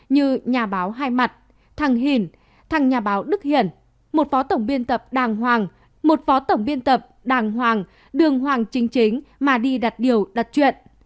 như nhà báo hai mặt thằng hiền thằng nhà báo đức hiền một phó tổng biên tập đàng hoàng một phó tổng biên tập đàng hoàng đường hoàng chính chính mà đi đặt điều đặt chuyện